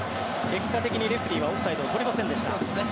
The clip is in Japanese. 結果的にレフェリーはオフサイドを取りませんでした。